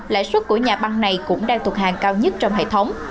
lãi suất của nhà băng này cũng đang thuộc hàng cao nhất trong hệ thống